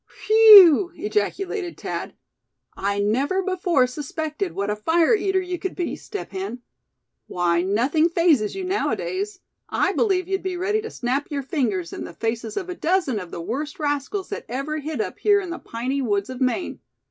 "Whew!" ejaculated Thad, "I never before suspected what a fire eater you could be, Step Hen. Why, nothing fazes you, nowadays. I believe you'd be ready to snap your fingers in the faces of a dozen of the worst rascals that ever hid up here in the piney woods of Maine.